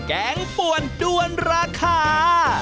แกงป่วนด้วนราคา